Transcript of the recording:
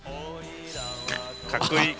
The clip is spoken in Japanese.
かっこいい！